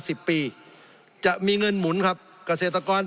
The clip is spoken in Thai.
สงบจนจะตายหมดแล้วครับ